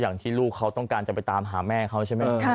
อย่างที่ลูกเขาต้องการจะไปตามหาแม่เขาใช่ไหม